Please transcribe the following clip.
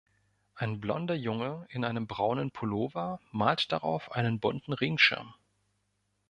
Ein blonder Junge in einem braunen Pullover malt darauf einen bunten Regenschirm.